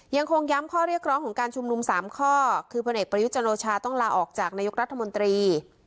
ยังคงย้ำข้อเรียกร้องของการชุมนุม๓ข้อคือพลเอกประยุทธ์จันโอชาต้องลาออกจากนายกรัฐมนตรี